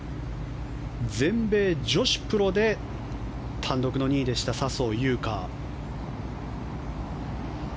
全米女子プロで単独の２位でした笹生優花。